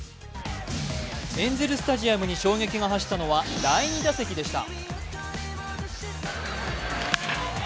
エンゼルスタジアムに衝撃が走ったのは第２打席でした。